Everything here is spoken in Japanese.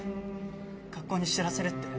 学校に知らせるって。